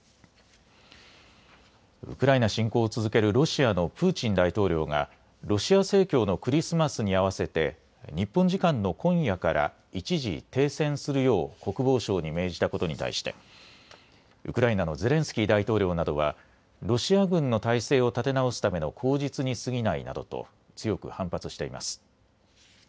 ウクライナ侵攻を続けるロシアのプーチン大統領がロシア正教のクリスマスに合わせて日本時間の今夜から一時、停戦するよう国防相に命じたことに対してウクライナのゼレンスキー大統領などはロシア軍の態勢を立て直すための口実にすぎないなどと強く反発しています。